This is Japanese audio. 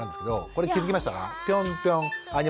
これ気付きましたか？